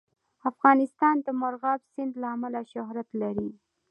افغانستان د مورغاب سیند له امله شهرت لري.